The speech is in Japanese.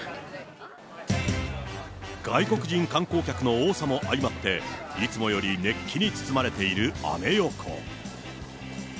外国人観光客の多さも相まって、いつもより熱気に包まれているアメ横。